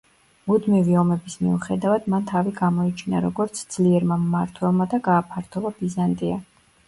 მუდმივი ომების მიუხედავად, მან თავი გამოიჩინა, როგორც ძლიერმა მმართველმა და გააფართოვა ბიზანტია.